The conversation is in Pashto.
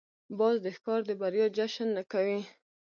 باز د ښکار د بریا جشن نه کوي